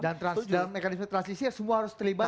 dan mekanisme transisi semua harus terlibat